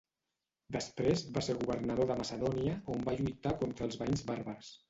Després va ser governador de Macedònia on va lluitar contra els veïns bàrbars.